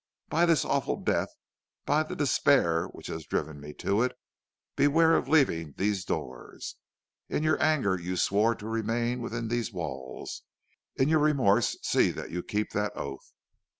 By this awful death, by the despair which has driven me to it, beware of leaving these doors. In your anger you swore to remain within these walls; in your remorse see that you keep that oath.